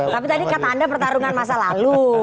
tapi tadi kata anda pertarungan masa lalu